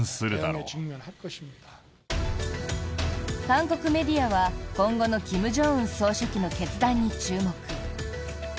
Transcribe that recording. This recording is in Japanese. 韓国メディアは、今後の金正恩総書記の決断に注目。